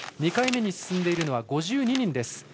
２回目に進んでいるのは５２人です。